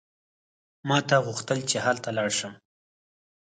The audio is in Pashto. ما ته غوښتل چې هلته لاړ شم.